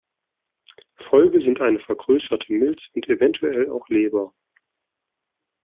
Folge sind eine vergrößerte Milz und eventuell auch Leber.